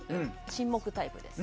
沈黙タイプです。